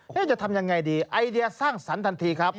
แล้วจะทำยังไงดีไอเดียสร้างสรรค์ทันทีครับ